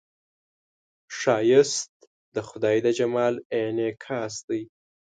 ښایست د خدای د جمال انعکاس دی